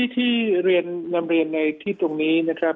ที่เรียนนำเรียนในที่ตรงนี้นะครับ